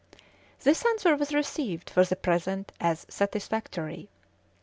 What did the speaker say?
This answer was received for the present as satisfactory.